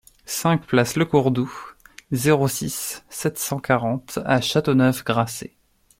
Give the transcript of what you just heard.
cinq place Le Courredou, zéro six, sept cent quarante à Châteauneuf-Grasse